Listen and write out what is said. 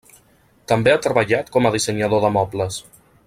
També ha treballat com a dissenyador de mobles.